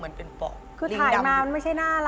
มันยังไงวันนั้นคืออะไรหมู